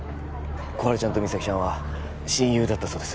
心春ちゃんと実咲ちゃんは親友だったそうです